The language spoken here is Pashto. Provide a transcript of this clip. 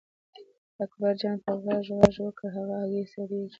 اکبرجان په غږ غږ وکړ هغه هګۍ سړېږي.